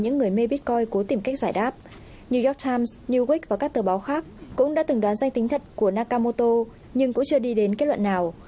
những người mê bitcoin cố tìm cách giải đáp new york times new wack và các tờ báo khác cũng đã từng đoán danh tính thật của nakamoto nhưng cũng chưa đi đến kết luận nào